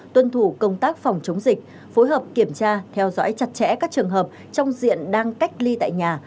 tuân thủ công tác phòng chống dịch phối hợp kiểm tra theo dõi chặt chẽ các trường hợp trong diện đang cách ly tại nhà